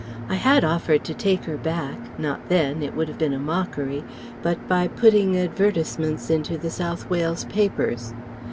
I had offered to take her back not then it would have been a mockery but by putting advertisements into the South Wales papers.